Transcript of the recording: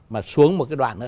mà xuống một cái đoạn nữa